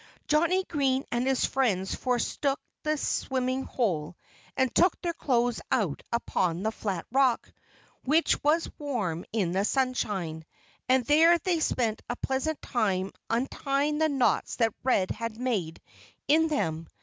Johnnie Green and his friends forsook the swimming hole and took their clothes out upon the flat rock, which was warm in the sunshine. And there they spent a pleasant time untying the knots that Red had made in them.